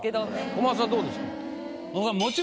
小松さんどうですか？